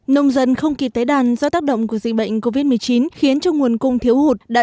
nông dân không kịp tế đàn do tác động của dịch bệnh covid một mươi chín khiến cho nguồn cung thiếu hụt đã